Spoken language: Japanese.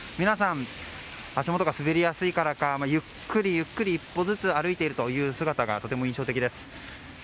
皆さん、足元が滑りやすいからかゆっくりゆっくり一歩ずつ歩いている姿が印象的です。